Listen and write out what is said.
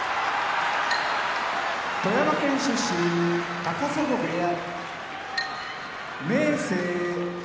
富山県出身高砂部屋明生